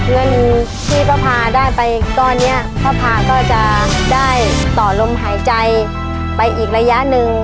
เงินที่ป้าพาได้ไปก้อนนี้พ่อพาก็จะได้ต่อลมหายใจไปอีกระยะหนึ่ง